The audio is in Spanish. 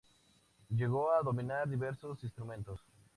Llegó a dominar diversos instrumentos.